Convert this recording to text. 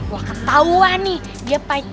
wah ketawa nih dia pake